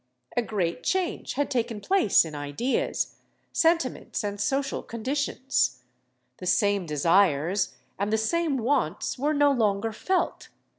A great change had taken place in ideas, sentiments, and social conditions. The same desires and the same wants were no longer felt.